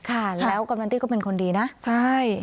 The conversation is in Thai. ค่ะแล้วกำนันตี้ก็เป็นคนดีนะใช่